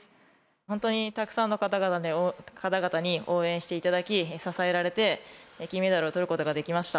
本当にたくさんの方々に応援していただき、支えられて、金メダルをとることができました。